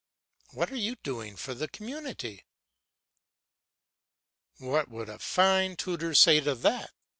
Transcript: What are you doing for the community?" What would a fine tutor say to that?